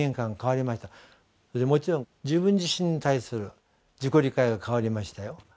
もちろん自分自身に対する自己理解が変わりましたよ。